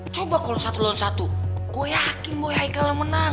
coba kalau satu satu gue yakin boy haikal menang